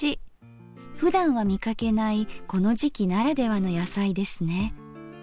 ふだんは見かけないこの時期ならではの野菜ですね。